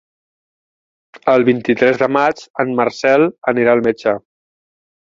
El vint-i-tres de maig en Marcel anirà al metge.